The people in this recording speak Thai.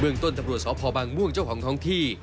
เมืองต้นตำรวจสอบพ่อบางม่วงเจ้าของท้องที่